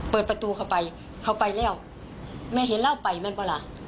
เปิดประตูเข้าไปเขาไปแล้วแม่เห็นเหล้าไปมันป่ะล่ะ